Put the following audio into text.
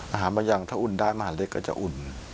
บางอย่างถ้าอุ่นได้มหาเล็กก็จะอุ่น